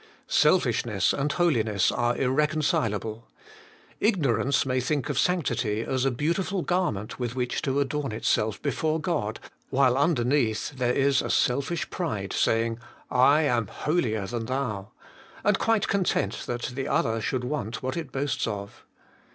Selfishness and holiness are irreconcilable. Ignorance may think of sanctity as a beautiful garment with which to adorn itself before God, while underneath there is a selfish pride saying, ' I am holier than thou,' and quite content that the other should want what it boasts of.